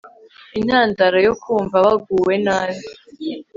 Intandaro yo kumva waguwe nabi